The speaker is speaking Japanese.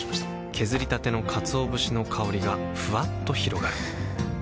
削りたてのかつお節の香りがふわっと広がるはぁ。